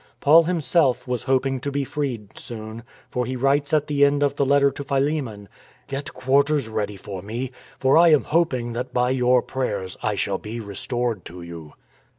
Paul himself was hoping to be freed soon, for he writes at the end of the letter to Philemon :" Get quarters ready for me, for I am hoping that by your prayers I shall be restored to you."